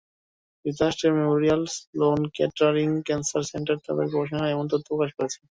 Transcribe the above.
যুক্তরাষ্ট্রের Memorial Sloan Kettering Cancer Center তাদের গবেষণায় এমন তথ্য প্রকাশ করেছে।